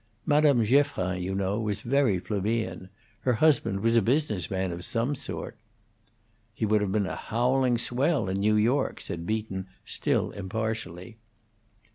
Madame Geoffrin, you know, was very plebeian; her husband was a business man of some sort." "He would have been a howling swell in New York," said Beaton, still impartially.